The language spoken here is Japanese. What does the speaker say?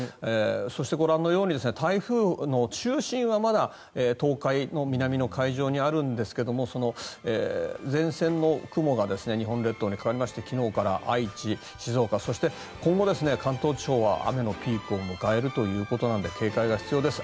そして、ご覧のように台風の中心はまだ東海の南の海上にあるんですが前線の雲が日本列島にかかりまして昨日から愛知、静岡そして今後、関東地方は雨のピークを迎えるということなので警戒が必要です。